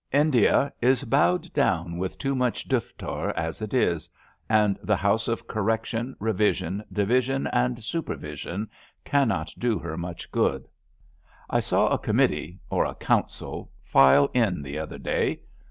India is bowed down with too much duftar as it is, and the House of Correction, Eevision, Division and Supervision cannot do her much good. I saw a committee or a council file in the other day.